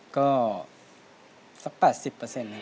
ก็สัก๘๐นะครับ